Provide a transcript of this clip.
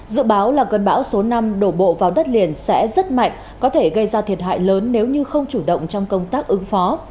dự báo là cơn bão số năm đổ bộ vào đất liền sẽ rất mạnh có thể gây ra thiệt hại lớn nếu như không chủ động trong công tác ứng phó